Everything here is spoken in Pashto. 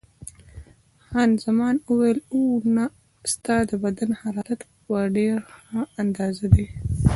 خان زمان وویل: اوه، نه، ستا د بدن حرارت په ډېره ښه اندازه دی.